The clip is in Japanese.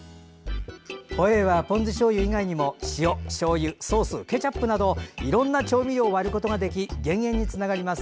ホエーはポン酢しょうゆ以外にも塩、しょうゆソース、ケチャップなどいろんな調味料を割ることができ減塩につながります。